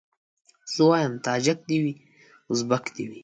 زه وايم تاجک دي وي ازبک دي وي